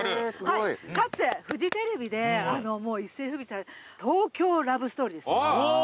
かつてフジテレビで一世風靡した『東京ラブストーリー』